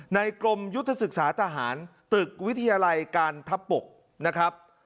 ในกรมยุทธศึกษาทหารตึกวิทยาลัยการทับปก